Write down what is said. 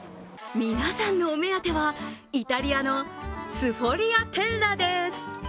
皆さんのお目当てはイタリアのスフォリアテッラです。